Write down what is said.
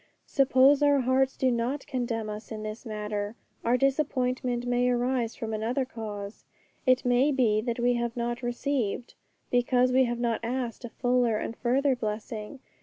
But suppose our hearts do not condemn us in this matter, our disappointment may arise from another cause. It may be that we have not received, because we have not asked a fuller and further blessing.